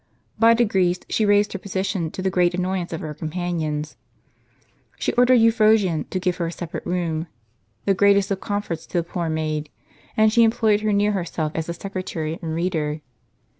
By degrees she raised her position, to the great annoyance of her companions : she ordered Euphrosyne to give her a separate room, the greatest of comforts to the poor maid; and she employed her near herself as a secretary and reader.